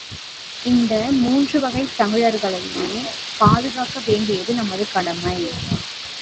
இந்த மூன்றுவகைத் தமிழர்களையுமே பாதுகாக்க வேண்டியது நமது கடமை!